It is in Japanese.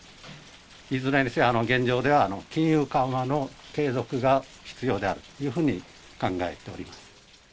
いずれにせよ、現状では金融緩和の継続が必要であるというふうに考えております。